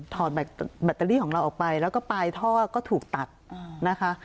ถอดแบตเตอรี่ของเราออกไปแล้วก็ปลายท่อก็ถูกตัดนะคะ